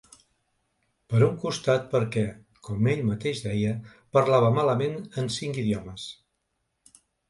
Per un costat perquè, com ell mateix deia, parlava malament en cinc idiomes.